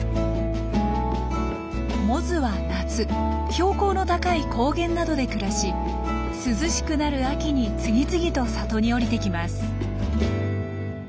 モズは夏標高の高い高原などで暮らし涼しくなる秋に次々と里に下りてきます。